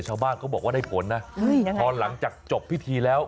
ชาวบ้านเขาบอกว่าได้ผลนะพอหลังจากจบพิธีแล้ว